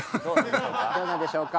どうでしょうか。